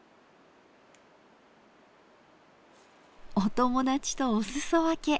お友達とお裾分け。